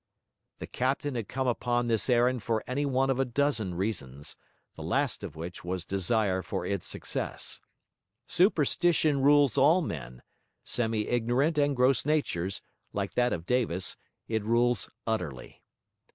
The captain had come upon this errand for any one of a dozen reasons, the last of which was desire for its success. Superstition rules all men; semi ignorant and gross natures, like that of Davis, it rules utterly.